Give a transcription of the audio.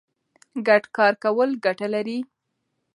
ګډ کار کول ګټه لري.